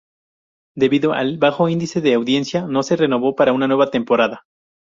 Debido al bajo índice de audiencia no se renovó para una nueva temporada.